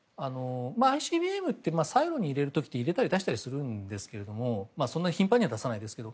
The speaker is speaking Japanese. ＩＣＢＭって最後に入れる時って入れたり出したりするんですけどそんなに頻繁には出さないですけど。